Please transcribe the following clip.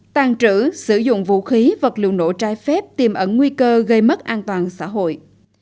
tàn trữ sử dụng vũ khí vật liệu nổ trai phép tiềm ẩn nguy cơ gây mất an toàn xã hội